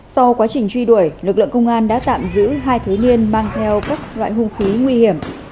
sau quá trình truy đuổi lực lượng công an đã tạm giữ hai thứ niên mang theo các loại hung khí nguy hiểm